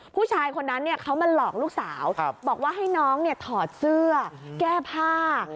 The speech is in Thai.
ผู้ชายคนนั้นเขามาหลอกลูกสาวบอกว่าให้น้องถอดเสื้อแก้ผ้า